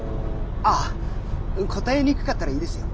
あ答えにくかったらいいですよ。